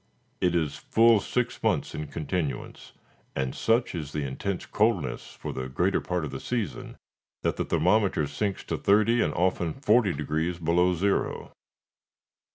It is full six months in continuance, and such is the intense coldness for the greater part of the season, that the thermometer sinks to thirty and often forty degrees below zero.